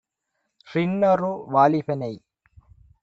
றின்னொரு வாலிபனை